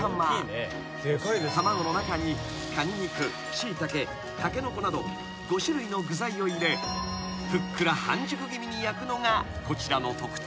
［卵の中にカニ肉シイタケタケノコなど５種類の具材を入れふっくら半熟気味に焼くのがこちらの特徴］